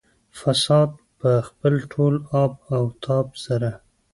فساد په خپل ټول آب او تاب سره.